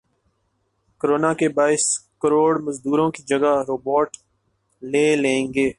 corona کے باعث کروڑ مزدوروں کی جگہ روبوٹ لے لیں گے